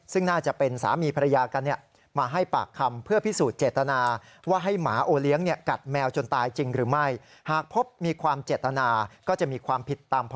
ซึ่งน่าจะเป็นสามีภรรยากันเนี่ยมาให้ปากคำ